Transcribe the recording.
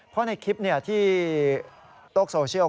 เพราะในคลิปที่โลกโซเชียล